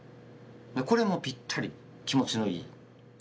これもピッタリ気持ちのいい。